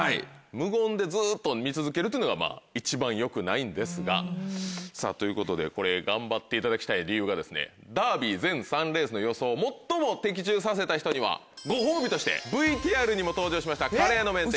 無言でずっと見続けるというのが一番よくないんですが。ということでこれ頑張っていただきたい理由がダービー全３レースの予想を最も的中させた人にはご褒美としてＶＴＲにも登場しましたカレーの名店。